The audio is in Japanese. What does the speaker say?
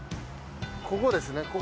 ここですね